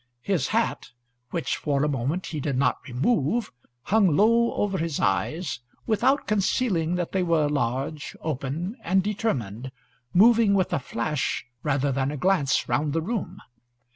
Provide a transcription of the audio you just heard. His hat, which for a moment he did not remove, hung low over his eyes, without concealing that they were large, open, and determined, moving with a flash rather than a glance round the room.